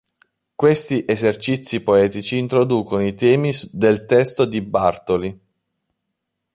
Questi esercizi poetici introducono i temi del testo di Bartoli.